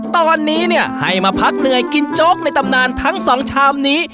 ตอนนี้เนี่ยให้มาพักเหนื่อยกินโจ๊กในตำนานทั้งสองชามนี้